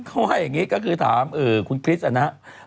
เอออย่างนี้ก็คือถามเออคุณคิสอันนี้